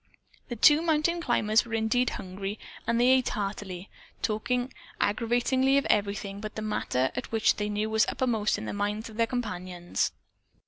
The two mountain climbers were indeed hungry and they ate heartily, talking aggravatingly of everything but the matter which they knew was uppermost in the minds of their companions.